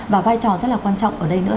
và vai trò rất là quan trọng ở đây nữa